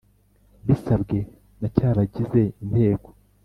Bisabwe na cy abagize inteko